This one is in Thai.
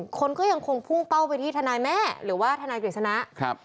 คนก็ยังคงพุ่งเป้าไปที่ทนายแม่หรือว่าทนายกฤษณะครับ